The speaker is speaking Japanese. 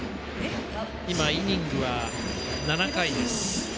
今、イニングは７回です。